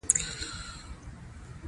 نفت د افغانانو ژوند اغېزمن کوي.